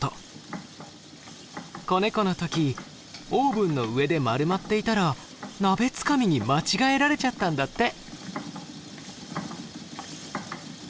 子ネコの時オーブンの上で丸まっていたら鍋つかみに間違えられちゃったんだって。